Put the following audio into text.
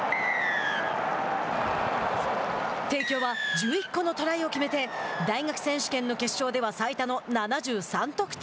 帝京は１１個のトライを決めて大学選手権の決勝では最多の７３得点。